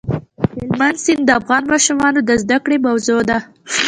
هلمند سیند د افغان ماشومانو د زده کړې موضوع ده.